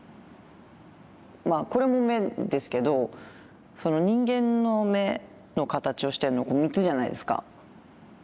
まあこれも目ですけど人間の目の形をしてるのこの３つじゃないですか。